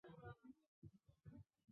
张某不服提起诉愿。